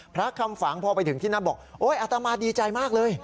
พระคำฝังพอไปถึงที่นั่นบอกโอ๊ยอาตมาดีใจมากเลย